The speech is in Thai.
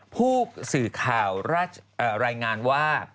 ผู้สื่อข่าวรายงานว่า